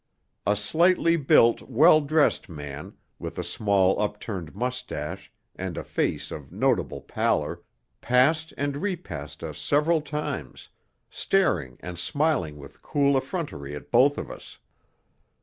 A slightly built, well dressed man, with a small, upturned mustache and a face of notable pallor, passed and repassed us several times, staring and smiling with cool effrontery at both of us.